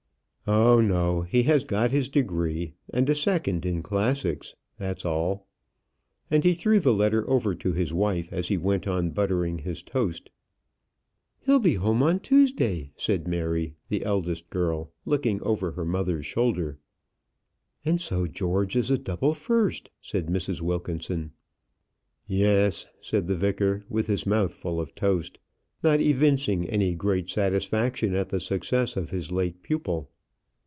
"Oh, no; he has got his degree a second in classics! that's all;" and he threw the letter over to his wife as he went on buttering his toast. "He'll be home on Tuesday," said Mary, the eldest girl, looking over her mother's shoulder. "And so George is a double first," said Mrs. Wilkinson. "Yes," said the vicar, with his mouth full of toast; not evincing any great satisfaction at the success of his late pupil.